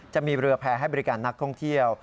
จะมีเรือแพรให้บริการนักท่องเที่ยว